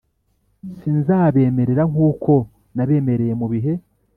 sinzabamerera nk uko nabamereye mu bihe